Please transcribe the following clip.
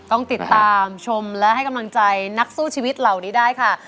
ต้องติดตามชมและให้กำลังใจนักสู้ชีวิตเหล่านี้ได้ค่ะ